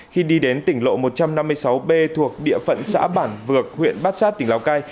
khi đi đến tỉnh lộ một trăm năm mươi sáu b thuộc địa phận xã bản vược huyện bát sát tỉnh lào cai